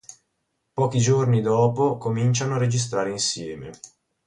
Pochi giorni dopo cominciano a registrare insieme.